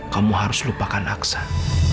kamu harus lupakan aksan